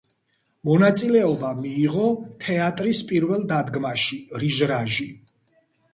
მონაწილეობა მიიღო თეატრის პირველ დადგმაში „რიჟრაჟი“.